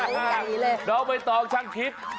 น้องไม่ต้องช่างคิด